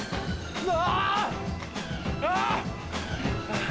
うわ！